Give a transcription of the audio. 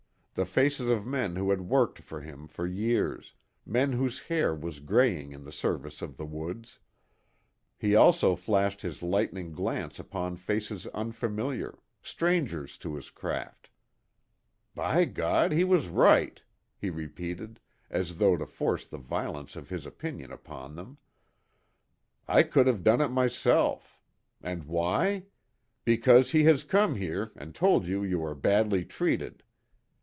The faces of men who had worked for him for years, men whose hair was graying in the service of the woods. He also flashed his lightning glance upon faces unfamiliar, strangers to his craft. "By God, he was right!" he repeated, as though to force the violence of his opinion upon them. "I could have done it myself. And why? Because he has come here and told you you are badly treated.